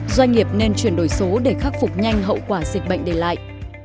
doanh nghiệp nên chuyển đổi số để khắc phục nhanh hậu quả dịch bệnh đề lại